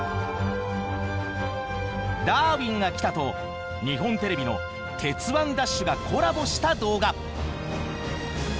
「ダーウィンが来た！」と日本テレビの「鉄腕！ＤＡＳＨ！！」がコラボした動画。